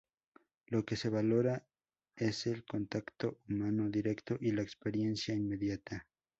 Lo que se valora es el contacto humano directo y la experiencia inmediata.